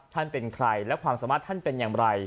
ท่านเป็นใครและความสามารถท่านเป็นอย่างไร